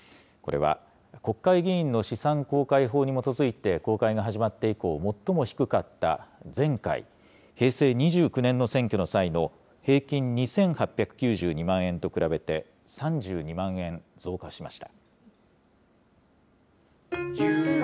これは国会議員の資産公開法に基づいて公開が始まって以降、最も低かった前回・平成２９年の選挙の際の平均２８９２万円と比べて、３２万円増加しました。